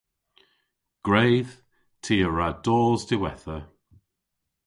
Gwredh. Ty a wra dos diwettha.